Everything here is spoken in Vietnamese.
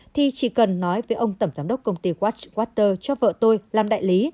thì chỉ cần nói với ông tầm giám đốc công ty watchwater cho vợ tôi làm đại lý